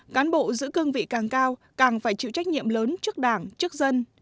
cán bộ giữ cương vị càng cao càng phải chịu trách nhiệm lớn trước đảng trước dân